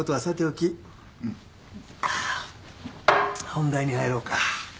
本題に入ろうか。